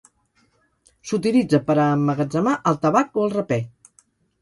S'utilitza per a emmagatzemar el tabac o el rapè.